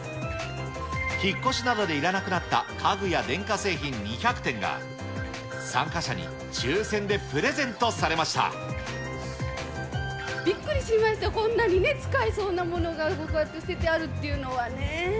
引っ越しなどでいらなくなった家具や電化製品２００点が、参加者びっくりしました、こんなに使えそうなものが、こうやって捨ててあるっていうのはね。